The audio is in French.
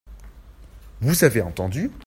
Vous avez entendu ?